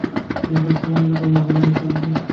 তিনি ব্যবসা-বাণিজ্যে কর্মজীবন শুরু করার চেষ্টা করেন।